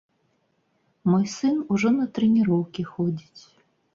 Мой сын ужо на трэніроўкі ходзіць.